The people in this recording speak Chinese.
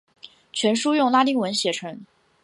全书用拉丁文写成。